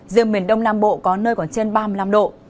riêng miền đông nam bộ có nơi còn trên ba mươi năm độ